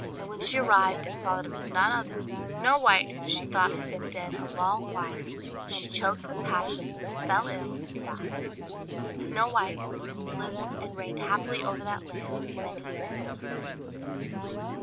And when she arrived, and saw that it was none other than Snow White, who she thought had been dead a long while, she choked with passion, and fell ill and died; but Snow White and the prince lived and reigned happily over that land many, many years.